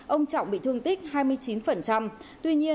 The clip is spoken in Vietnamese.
ông trọng bị thương tích hai mươi chín